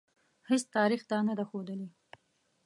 هیڅ تاریخ دا نه ده ښودلې.